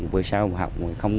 vừa sau học